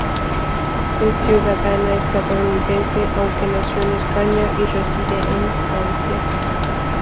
Es ciudadana estadounidense, aunque nació en España y reside en Francia.